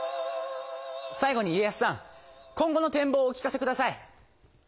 最後に家康さん今後のてん望をお聞かせください。